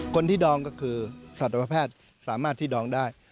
คนที่ดองก็คือสัตวแพทย์สามารถที่ดองได้